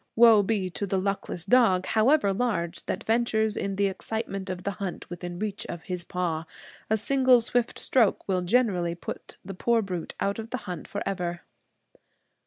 Woe be to the luckless dog, however large, that ventures in the excitement of the hunt within reach of his paw. A single swift stroke will generally put the poor brute out of the hunt forever.